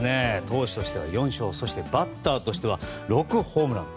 投手としては４勝そしてバッターとしては６ホームラン。